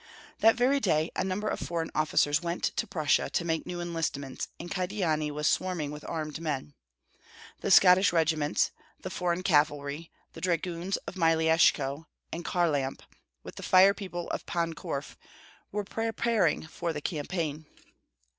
That very day a number of foreign officers went to Prussia to make new enlistments, and Kyedani was swarming with armed men. The Scottish regiments, the foreign cavalry, the dragoons of Myeleshko and Kharlamp, with the "fire people" of Pan Korf, were preparing for the campaign.